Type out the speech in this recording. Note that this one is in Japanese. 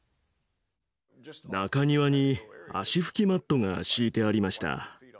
中庭に足ふきマットが敷いてありました。